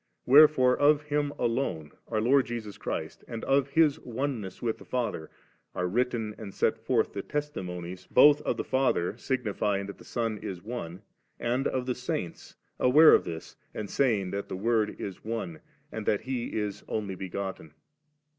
Wherefore of Him alone, our Lord Jesus Christ, and of His oneness with the Father, are written and set forth die testimonies, both of the Father signifying that the Son is Onc^ and of the saints, aware of this and sarins that the Word is One, and that He is Only Begotten.